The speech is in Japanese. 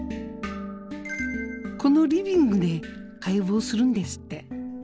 このリビングで解剖するんですって。